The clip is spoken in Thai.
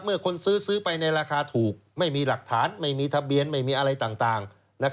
คนซื้อซื้อไปในราคาถูกไม่มีหลักฐานไม่มีทะเบียนไม่มีอะไรต่าง